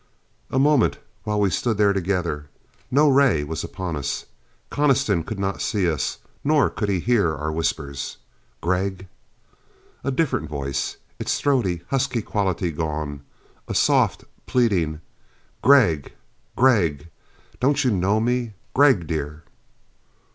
A moment, while we stood there together. No ray was upon us. Coniston could not see us, nor could he hear our whispers. "Gregg." A different voice; its throaty, husky quality gone. A soft pleading. "Gregg Gregg, don't you know me? Gregg, dear...."